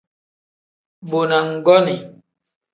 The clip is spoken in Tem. Mbo na nggonii.